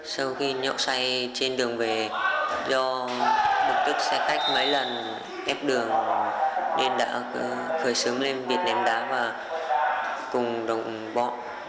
sau khi nhậu xe trên đường về do bực tức xe khách mấy lần ép đường nên đã khởi sướng lên biệt ném đá và cùng đồng bọ